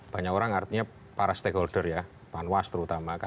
banyak orang artinya para stakeholder ya bahan was terutama